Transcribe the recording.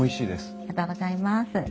ありがとうございます。